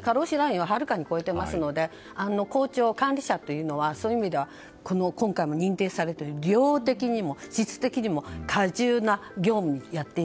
過労死ラインははるかに超えていますので校長、管理者というのはそういう意味では今回も認定されている量的にも質的にも荷重な業務をやっていた。